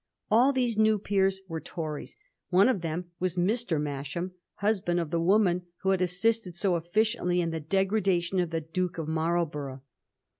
All these new peers were Tories : one of them was Mr. Masham, husband of the woman who had assisted so efficiently in the degradation of the Duke of Marlborough.